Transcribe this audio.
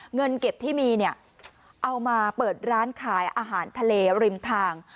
เงินเก็บที่มีเนี่ยเอามาเปิดร้านขายอาหารทะเลริมทาง